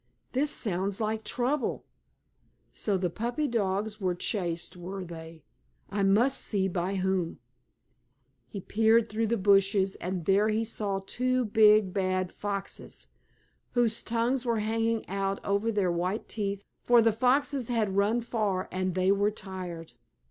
"This sounds like trouble. So the puppy dogs were chased, were they? I must see by whom." He peeked through the bushes, and there he saw two big, bad foxes, whose tongues were hanging out over their white teeth, for the foxes had run far and they were tired.